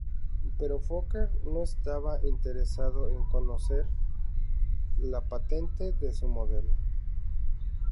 Pero Fokker no estaba interesado en conceder la patente de su modelo.